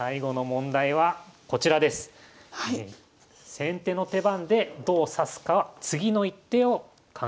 先手の手番でどう指すか次の一手を考えてください。